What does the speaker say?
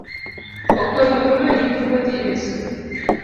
Okweuru enying Ruoth Yesu